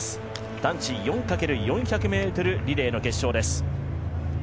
男子４×４００ｍリレーの決勝です。